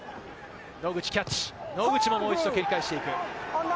野口がキャッチ、野口ももう一度蹴り返していく。